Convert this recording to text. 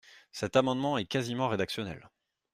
Cet amendement est quasiment rédactionnel.